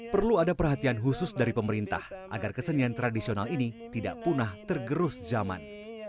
perlu ada perhatian khusus dari pemerintah agar kesenian tradisional ini tidak punah tergerus zaman